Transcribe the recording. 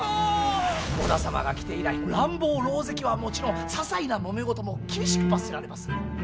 織田様が来て以来乱暴狼藉はもちろんささいなもめ事も厳しく罰せられます。